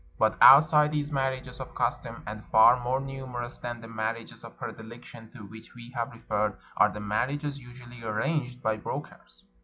But outside these marriages of custom, and far more numer ous than the marriages of predilection to which we have referred, are the marriages usually arranged by "brok ers."